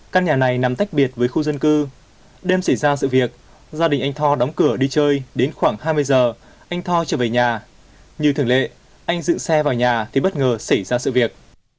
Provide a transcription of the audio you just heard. các nhà này nằm tách biệt với khu dân cư đêm xảy ra sự việc gia đình anh tho đóng cửa đi chơi đến khoảng hai mươi giờ anh tho trở về nhà như thường lệ anh dự xảy ra sự việc